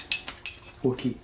大きい？